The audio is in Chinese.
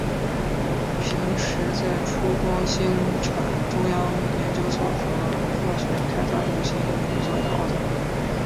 平时在出光兴产中央研究所和化学开发中心工作的奥特曼。